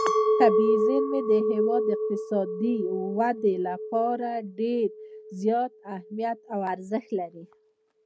طبیعي زیرمې د هېواد د اقتصادي ودې لپاره ډېر زیات اهمیت او ارزښت لري.